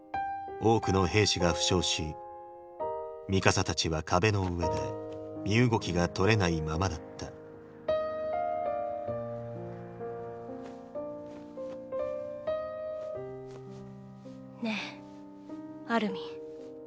多くの兵士が負傷しミカサたちは壁の上で身動きがとれないままだったねぇアルミン。